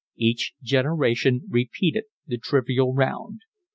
Each generation repeated the trivial round.